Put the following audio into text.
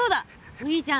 お兄ちゃん。